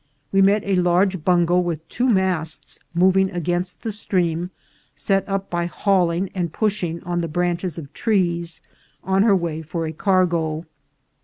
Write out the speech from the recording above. We met a large bungo with two masts moving against the stream, set up by hauling and pushing on the branch es of trees, on her way for a cargo.